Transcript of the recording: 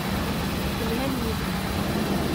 Temlal yid-i.